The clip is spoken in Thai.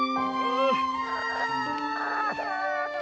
สวัสดีครับท่าน